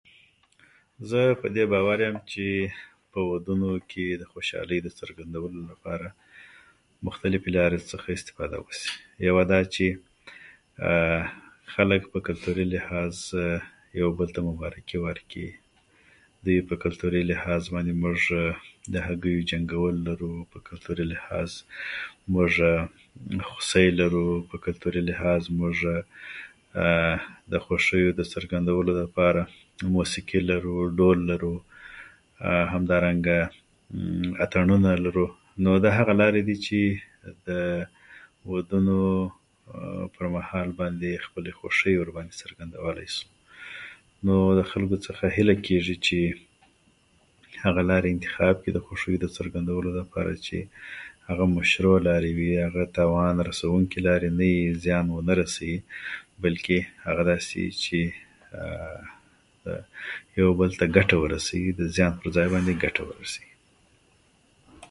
زه په دې باور یم چې په ودونو کې د خوښۍ د څرګندولو لپاره مختلفې لارې، څخه استفاده وشي. یوه دا چې خلک په کلتوري لحاظ یو بل ته مبارکي ورکړي؛ دوی په کلتوري لحاظ باندې، موږ د هګیو جنګول لرو، په کلتوري لحاظ موږ خوسۍ لرو، په کلتوري لحاظ موږ د خوښۍ د څرګندولو لپاره موږ موسیقي لرو او ډول لرو، همدارنګه اتڼونه لرو. نو دا هغه لارې دي چې د هغه ودونو پرمهال باندې خپلې خوښۍ ورباندې څرګندولای شو. نو د خلکو څخه هیله کېږي هغه لارې انتخاب کړي د خوښیو د څرګندولو لپاره چې هغه مشروع لارې وي، هغه تاوان رسوونکې لارې نه وي، زیان ونه رسوي، بلکې هغه داسې وي چې یو بل ته ګټه ورسوي، د زیان په ځای باندې یو بل ته ګټه ورسوي.